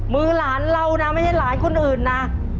มือหลานเรานะไม่ใช่หลานคนอื่นนะ